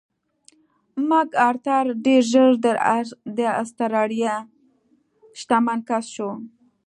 مک ارتر ډېر ژر د اسټرالیا شتمن کس شو.